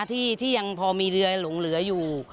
ที่ยังพอมีเรือหลงเหลืออยู่